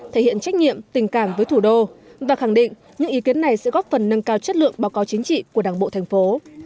thể hiện trách nhiệm tình cảm với thủ đô và khẳng định những ý kiến này sẽ góp phần nâng cao chất lượng báo cáo chính trị của đảng bộ thành phố